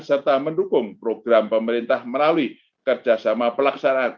serta mendukung program pemerintah melalui kerjasama pelaksanaan